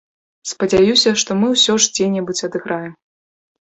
Спадзяюся, што мы ўсё ж дзе-небудзь адыграем.